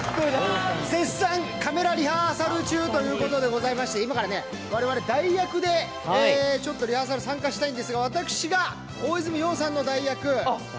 絶賛、カメラリハーサル中ということでございまして、今から我々、代役でちょっとリハーサルに参加したいんですが、私が大泉洋さんの代役。